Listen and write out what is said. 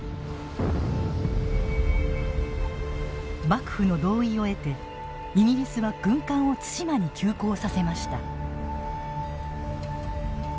幕府の同意を得てイギリスは軍艦を対馬に急行させました。